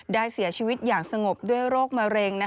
เสียชีวิตอย่างสงบด้วยโรคมะเร็ง